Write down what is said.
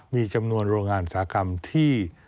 มีจำนวนโรงงานอุตสาหกรรมที่